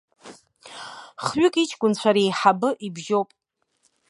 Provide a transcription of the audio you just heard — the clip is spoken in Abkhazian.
Хҩык иҷкәынцәа реиҳабы ибжьоуп.